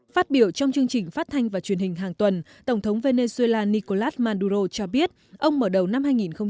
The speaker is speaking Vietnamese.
phát biểu trong chương trình phát thanh và truyền hình hàng tuần tổng thống venezuela nicolas manduro cho biết ông mở đầu năm hai nghìn một mươi chín